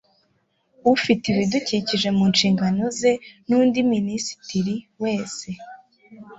ufite ibidukikije mu nshingano ze nundi minisitiri wese